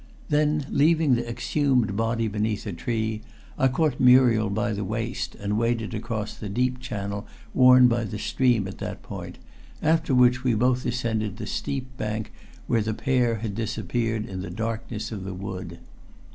Then, leaving the exhumed body beneath a tree, I caught Muriel by the waist and waded across the deep channel worn by the stream at that point, after which we both ascended the steep bank where the pair had disappeared in the darkness of the wood.